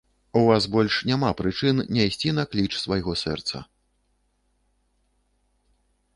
У вас больш няма прычын не ісці на кліч свайго сэрца.